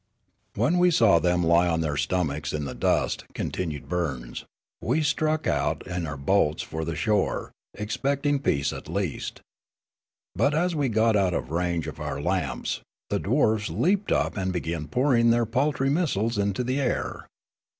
" When we saw them lie on their stomachs in the dust," continued Burns, " we struck out in our boats for the shore, expecting peace at least. But, as we got out of range of our lamps,' the dwarfs leaped up and began pouring their paltry missiles into the air.